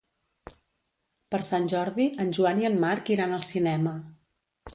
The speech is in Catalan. Per Sant Jordi en Joan i en Marc iran al cinema.